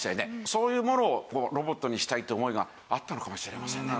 そういうものをロボットにしたいって思いがあったのかもしれませんね